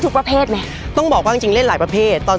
สวัสดีครับพี่นักจัดทนาทิพย์